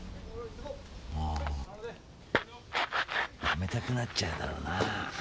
辞めたくなっちゃうだろうなぁ。